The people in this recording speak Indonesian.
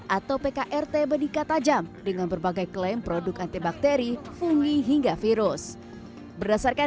atau pkrt berdikat tajam dengan berbagai klaim produk antibakteri fungi hingga virus berdasarkan